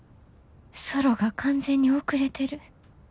ソロが完全に遅れてる。